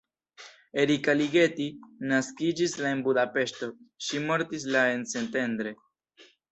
Erika Ligeti naskiĝis la en Budapeŝto, ŝi mortis la en Szentendre.